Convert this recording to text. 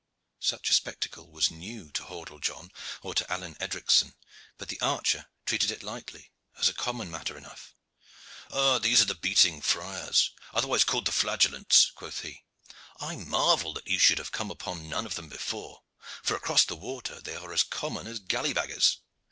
Such a spectacle was new to Hordle John or to Alleyne Edricson; but the archer treated it lightly, as a common matter enough. "These are the Beating Friars, otherwise called the Flagellants," quoth he. "I marvel that ye should have come upon none of them before, for across the water they are as common as gallybaggers.